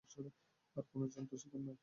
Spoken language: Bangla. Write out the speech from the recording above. আর কোনো জন্তুর শিকার নয়!